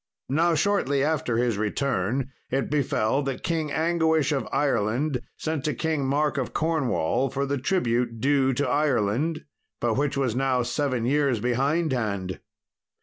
Now shortly after his return it befell that King Anguish of Ireland sent to King Mark of Cornwall for the tribute due to Ireland, but which was now seven years behindhand.